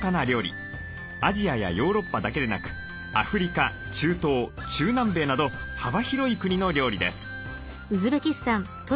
アジアやヨーロッパだけでなくアフリカ中東中南米など幅広い国の料理です。